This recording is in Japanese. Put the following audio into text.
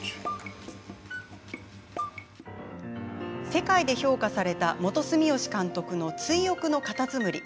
世界で評価された元住吉監督の「追憶のかたつむり」。